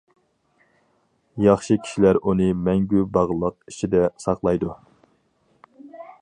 ياخشى كىشىلەر ئۇنى مەڭگۈ باغلاق ئىچىدە ساقلايدۇ.